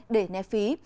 để né phí